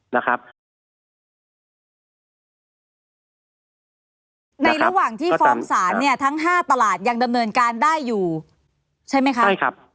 ในระหว่างที่ฟ้องศาลเนี่ยทั้ง๕ตลาดยังดำเนินการได้อยู่ใช่ไหมคะใช่ครับ